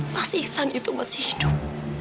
mas iksan itu masih hidup